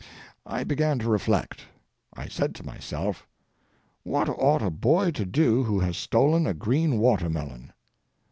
I began to reflect. I said to myself: "What ought a boy to do who has stolen a green watermelon?